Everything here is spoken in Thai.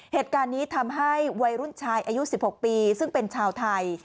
เหตุการณ์นี้ทำให้วัยรุ่นชายอายุ๑๖ปีซึ่งเป็นชาวไทย